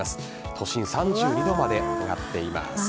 都心、３２度まで上がっています。